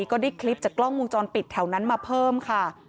ก็ได้คลิปจากกล้องวงจรปิดแถวนั้นมาเพิ่มค่ะ